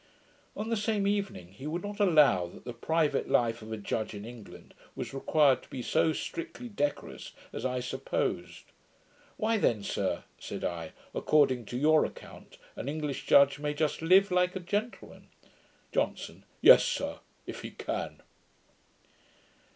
On the same evening, he would not allow that the private life of a judge, in England, was required to be so strictly decorous as I supposed. 'Why then, sir,' said I, 'according to your account, an English judge may just live like a gentleman.' JOHNSON. 'Yes, sir if he CAN.'